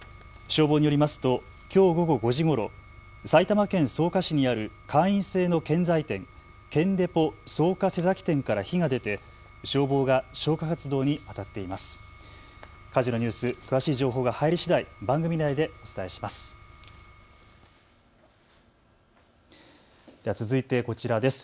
消防によりますときょう午後５時ごろ、埼玉県草加市にある会員制の建材店、建デポ草加瀬崎店から火が出て消防が消火活動にあたっています。